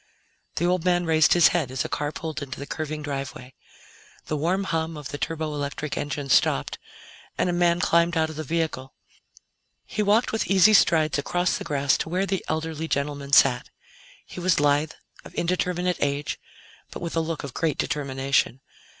The old man raised his head as a car pulled into the curving driveway. The warm hum of the turboelectric engine stopped, and a man climbed out of the vehicle. He walked with easy strides across the grass to where the elderly gentleman sat. He was lithe, of indeterminate age, but with a look of great determination.